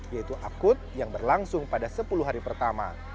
yaitu akut yang berlangsung pada sepuluh hari pertama